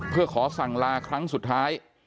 เพื่อขอสั่งลาครั้งสุดท้าย